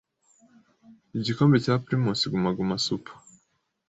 igikombe cya Primus Guma Guma Super